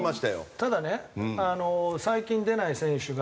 ただね最近出ない選手が。